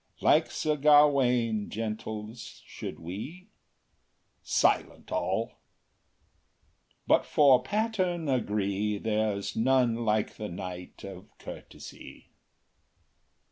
Like Sir Gawain, gentles, should we? Silent, all! But for pattern agree There’s none like the Knight of Courtesy.